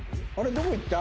どこ行った？